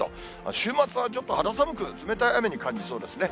週末はちょっと肌寒く、冷たい雨に感じそうですね。